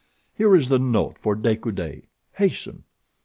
Here is the note for De Coude. Hasten!"